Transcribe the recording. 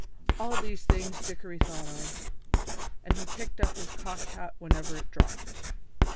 All these things Dickory thought of, and he picked up his cocked hat whenever it dropped.